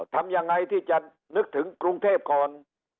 ทำยังไงที่จะนึกถึงกรุงเทพก่อน